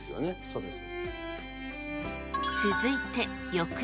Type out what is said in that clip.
そうですね。